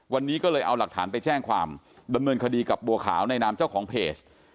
วันนี้ก็เลยเอาหลักฐานไปแจ้งความดำเนินคดีกับบัวขาวในนามเจ้าของเพจ